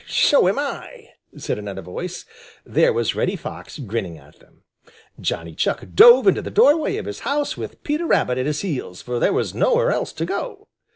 "So am I!" said another voice. There was Reddy Fox grinning at them. Johnny Chuck dove into the doorway of his house with Peter Rabbit at his heels, for there was nowhere else to go.